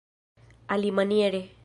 alimaniere